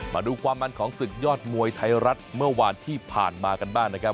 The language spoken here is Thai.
มาดูความมันของศึกยอดมวยไทยรัฐเมื่อวานที่ผ่านมากันบ้างนะครับ